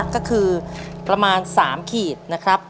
ก็คือประมาณ๓ขีดนะครับ